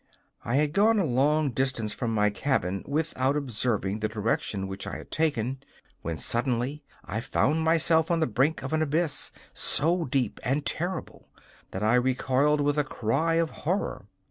I had gone a long distance from my cabin without observing the direction which I had taken, when suddenly I found myself on the brink of an abyss so deep and terrible that I recoiled with a cry of horror.